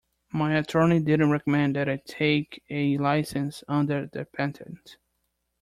My attorney didn't recommend that I take a licence under the patent.